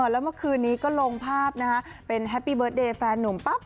แล้วเมื่อคืนนี้ก็ลงภาพนะคะเป็นแฮปปี้เบิร์ตเดย์แฟนหนุ่มปั๊บ